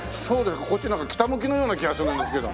こっちなんか北向きのような気がするんですけど。